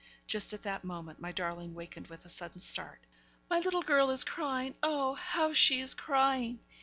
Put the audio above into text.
Just at that moment my darling wakened with a sudden start: 'My little girl is crying, oh, how she is crying!'